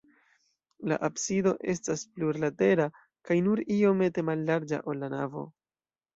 La absido estas plurlatera kaj nur iomete mallarĝa, ol la navo.